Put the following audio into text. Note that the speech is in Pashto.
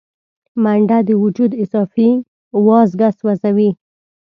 منډه د وجود اضافي وازګه سوځوي